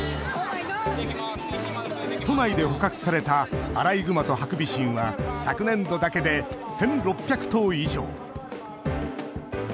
都内で捕獲されたアライグマとハクビシンは昨年度だけで１６００頭以上。